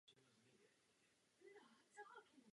V práci pro gestapo byl aktivní až do konce války.